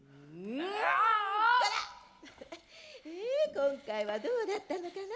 今回はどうだったのかな？